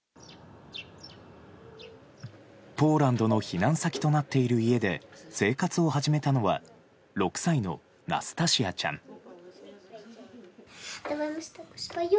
ポーランドの避難先となっている家で生活を始めたのは６歳のナスタシアちゃん。